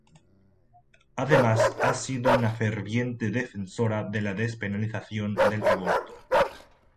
Además ha sido una ferviente defensora de la despenalización del aborto.